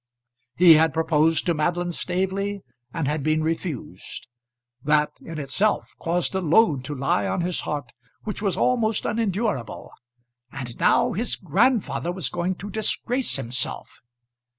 He had proposed to Madeline Staveley and had been refused. That in itself caused a load to lie on his heart which was almost unendurable; and now his grandfather was going to disgrace himself.